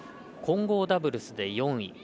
混合ダブルスで４位。